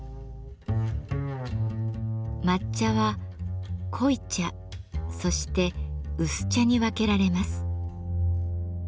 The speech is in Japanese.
抹茶は「濃茶」そして「薄茶」に分けられます。